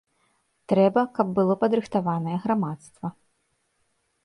Трэба, каб было падрыхтаванае грамадства.